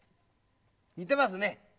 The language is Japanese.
にてますね。